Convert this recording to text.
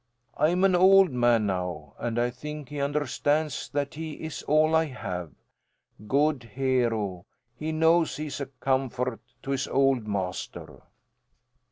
I am an old man now, and I think he understands that he is all I have. Good Hero! He knows he is a comfort to his old master!"